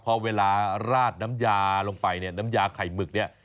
พอเวลาราดน้ำยาลงไปเนี่ยน้ำยาไข่หมึกเนี่ย